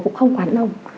nó cũng không quá nồng